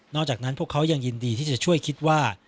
อกจากนั้นพวกเขายังยินดีที่จะช่วยคิดว่า